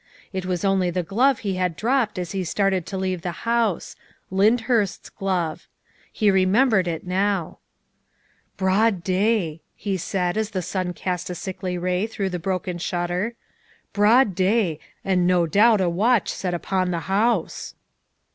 It was only the glove he had dropped as he started to 292 THE WIFE OF leave the house Lyndhurst's glove. He remembered it now. " Broad day," he said as the sun cast a sickly ray through the broken shutter, " broad day, and no doubt a watch set upon the house."